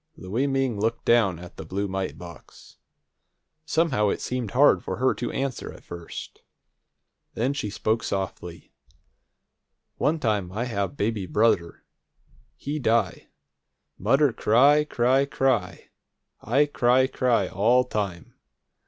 Louie Ming looked down at the blue mite box. Somehow it seemed hard for her to answer, at first. Then she spoke softly: "One time I have baby brudder. He die. Mudder cry, cry, cry. I cry, cry all time.